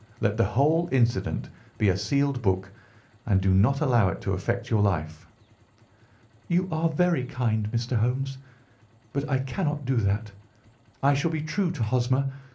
Let the whole incident be a sealed book, and do not allow it to affect your life." "You are very kind, Mr. Holmes, but I cannot do that. I shall be true to Hosmer.